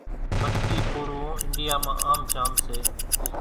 مٽڪي ڦوڙوون انڍيا مان آم جام سي